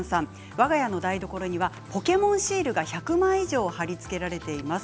わが家の台所にはポケモンシールが１００枚以上貼りつけられています。